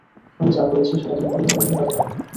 আমি যা করেছি, সেটা তুমি কোনভাবেই লুকাতে পারবে না।